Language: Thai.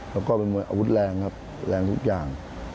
แล้วก็เป็นมวยอาวุธแรงครับแรงทุกอย่าง